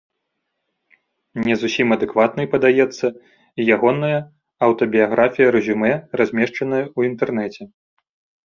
Не зусім адэкватнай падаецца і ягоная аўтабіяграфія-рэзюмэ, размешчаная ў інтэрнэце.